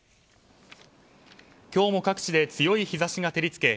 今日も各地で強い日差しが照り付け